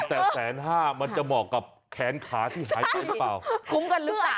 แต่แสนห้ามันจะเหมาะกับแขนขาที่หายไปหรือเปล่าคุ้มกันหรือเปล่า